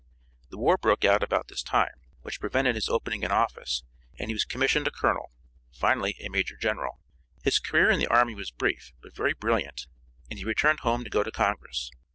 The war broke out about this time, which prevented his opening an office, and he was commissioned a colonel, finally a major general. His career in the army was brief, but very brilliant, and he returned home to go to Congress.